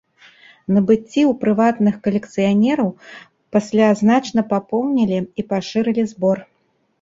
Набыцці ў прыватных калекцыянераў пасля значна папоўнілі і пашырылі збор.